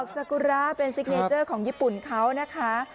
สกุระเป็นซิกเนเจอร์ของญี่ปุ่นเขานะคะ